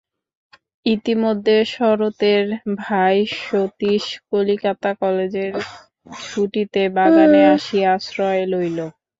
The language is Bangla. ইতিমধ্যে শরতের ভাই সতীশ কলিকাতা কলেজের ছুটিতে বাগানে আসিয়া আশ্রয় লইল।